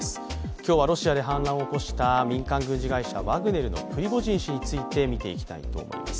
今日はロシアで反乱を起こした民間軍事会社ワグネルのプリゴジン氏について見ていきたいと思います。